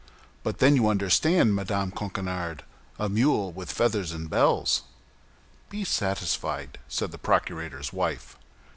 But then you understand, Madame Coquenard, a mule with feathers and bells." "Be satisfied," said the procurator's wife.